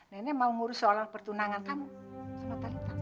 nenek mau ngurus soal pertunangan kamu sama talenta